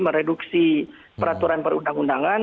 mereduksi peraturan perundang undangan